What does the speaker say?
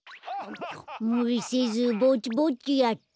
むりせずぼちぼちやってるよ。